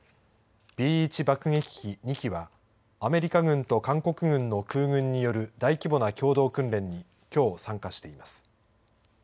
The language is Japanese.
Ｂ１爆撃機２機はアメリカ軍と韓国軍の空軍による大規模な共同訓練にきょう参加しています。